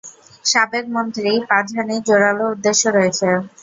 সাবেক মন্ত্রী পাঝানির জোরালো উদ্দেশ্য রয়েছে।